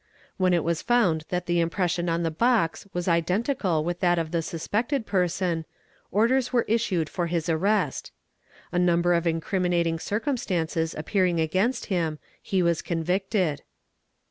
When it was found that the impression on the box was identical ae ith that of the suspected person, orders were issued for his arrest. A umber of incriminating circumstances appearing against him, he was mvicted.